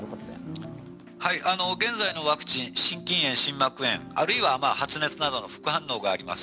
現在のワクチン心筋炎、心膜炎あるいは発熱などの副反応があります。